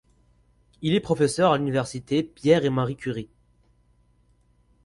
Il est professeur à l'université Pierre-et-Marie-Curie.